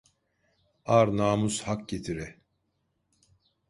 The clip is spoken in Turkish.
Ar namus hak getire.